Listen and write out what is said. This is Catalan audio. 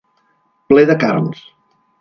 Ple de carns.